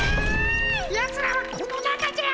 やつらはこのなかじゃ！